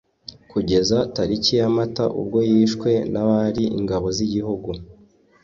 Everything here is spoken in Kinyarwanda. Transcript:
kugeza tariki ya mata ubwo yishwe n'abari ingabo z'igihugu